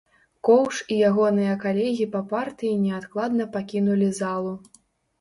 Коўш і ягоныя калегі па партыі неадкладна пакінулі залу.